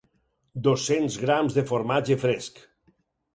dos-cents grams de formatge fresc.